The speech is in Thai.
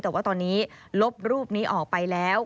แต่ว่าตอนนี้ลบรูปนี้ออกไปแล้ว